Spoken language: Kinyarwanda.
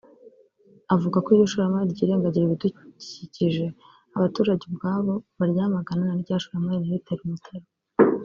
avuga ko iyo ishoramari ryirengagije ibidukikije abaturage ubwabo baryamagana na rya shoramari ntiritere umutaru